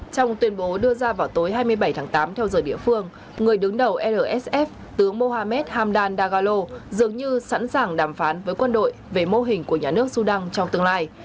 trong tuyên bố đưa ra vào tối hai mươi bảy tháng tám theo giờ địa phương người đứng đầu rsf tướng mohammed hamdan dagalo dường như sẵn sàng đàm phán với quân đội về mô hình của nhà nước sudan trong tương lai